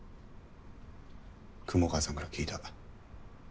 雲川さんから聞いた。